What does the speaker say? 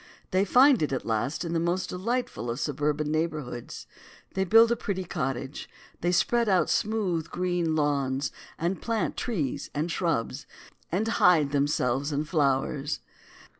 They find it at last in the most delightful of suburban neighborhoods. They build the pretty cottage. They spread out smooth green lawns, and plant trees and shrubs, and hide themselves in flowers.